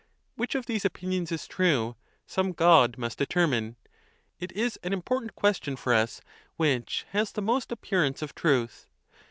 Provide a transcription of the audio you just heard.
"Which of these opinions is true, some God must determine. It is an important question for us, Which has the most appearance of truth?